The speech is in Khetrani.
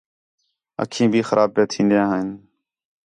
اَکّھیں بھی خراب پِیاں تھین٘دیاں ہِن